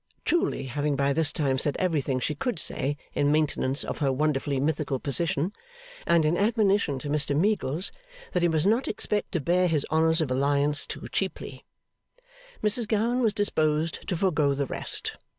Truly, having by this time said everything she could say in maintenance of her wonderfully mythical position, and in admonition to Mr Meagles that he must not expect to bear his honours of alliance too cheaply, Mrs Gowan was disposed to forgo the rest.